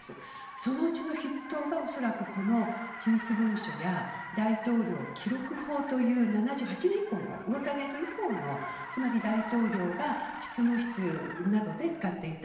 そのうちの筆頭が機密文書や大統領記録法という７８年以降のウォーターゲート以降のつまり、大統領が執務室などで使っていた。